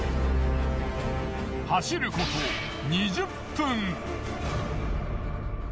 走ること２０分。